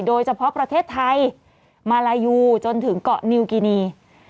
โดยเฉพาะประเทศไทยมาลายูจนถึงเกาะนิวกินี